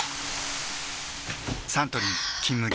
サントリー「金麦」